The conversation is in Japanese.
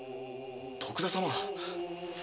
徳田様。